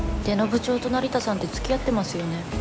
出野部長と成田さんってつきあってますよね。